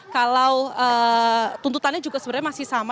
kalau tuntutannya juga sebenarnya masih sama